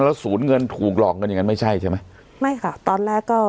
แล้วศูนย์เงินถูกหลอกเงินอย่างนั้นไม่ใช่ใช่ไหมไม่ค่ะตอนแรกก็